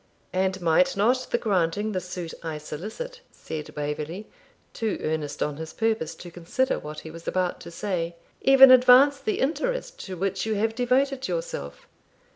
'And might not the granting the suit I solicit,' said Waverley, too earnest on his purpose to consider what he was about to say, 'even advance the interest to which you have devoted yourself?